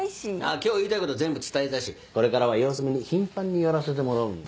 今日言いたいこと全部伝えたしこれからは様子見に頻繁に寄らせてもらうんで。